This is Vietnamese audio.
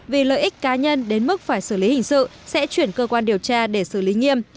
vì lợi ích cá nhân đến mức phải xử lý hình sự sẽ chuyển cơ quan điều tra để xử lý nghiêm